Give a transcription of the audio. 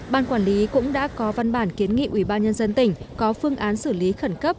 ban quản lý cũng đã có văn bản kiến nghị ủy ban nhân dân tỉnh có phương án xử lý khẩn cấp